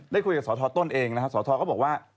ได้คุยกับสทต้นเองนะฮะสทก็บอกว่า